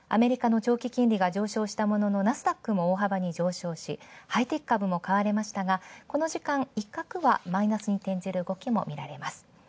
長期金利が上昇したもののナスダックも大幅に上昇し、ハイテク株も買われましたがこの時間、一角はマイナスに転じる動きも見られます。